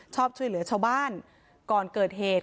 ชอบช่วยเหลือชาวบ้านก่อนเกิดเหตุ